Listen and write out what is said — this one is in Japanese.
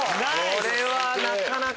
これはなかなか。